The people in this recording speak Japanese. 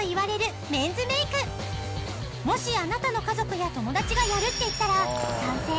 もしあなたの家族や友達がやるって言ったら賛成？